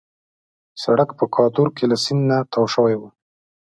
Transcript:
سړک په کادور کې له سیند نه تاو شوی وو.